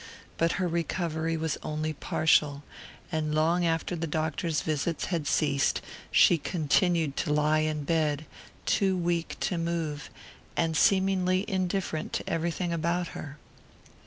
But her recovery was only partial, and long after the doctor's visits had ceased she continued to lie in bed, too weak to move, and seemingly indifferent to everything about her.